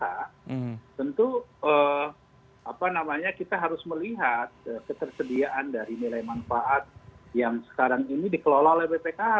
tentu kita harus melihat ketersediaan dari nilai manfaat yang sekarang ini dikelola oleh bpkh